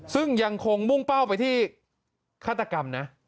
ซึ่งยังคงมุ่งเป้าไปที่ฆาตกรรมนะ